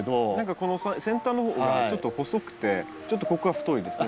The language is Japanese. この先端の方がちょっと細くてちょっとここが太いですね。